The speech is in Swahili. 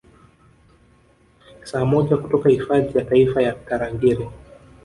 Saa moja kutoka hifadhi ya Taifa ya Tarangire